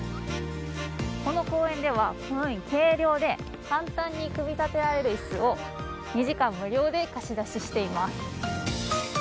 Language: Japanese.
この公園ではこのように軽量で簡単に組み立てられる椅子を２時間無料で貸し出ししています。